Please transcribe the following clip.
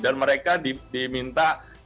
dan mereka diminta